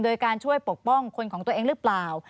โดยการช่วยปกป้องคนของตัวเองหรือเปล่า